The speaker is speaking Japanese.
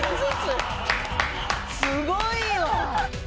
すごいわ！